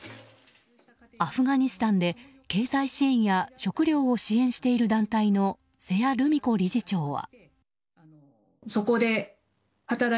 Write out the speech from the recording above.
アフガニスタンで経済支援や食料を支援している団体の瀬谷ルミ子理事長は。